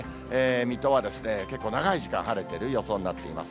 水戸は結構長い時間、晴れてる予想になっています。